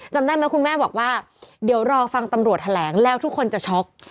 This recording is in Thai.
จำได้ไหมคุณแม่บอกว่าเดี๋ยวรอฟังตำรวจแถลงแล้วทุกคนจะช็อก